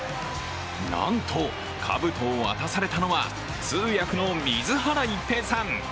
なんと、かぶとを渡されたのは通訳の水原一平さん。